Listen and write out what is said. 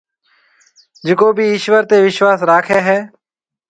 جڪو ڀِي ايشوَر تي وِشواس راکَي هيَ۔